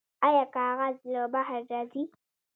آیا کاغذ له بهر راځي؟